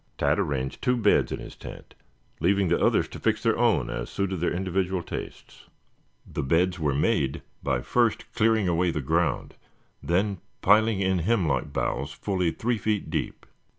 Tad arranged two beds in his tent, leaving the others to fix their own as suited their individual tastes. The beds were made by first clearing away the ground, then piling in hemlock boughs fully three feet deep.